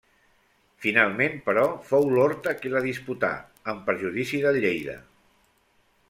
Finalment, però, fou l'Horta qui la disputà en perjudici del Lleida.